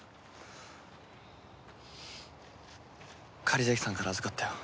狩崎さんから預かったよ。